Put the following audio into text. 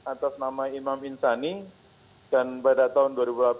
atas nama imam insani dan pada tahun dua ribu delapan belas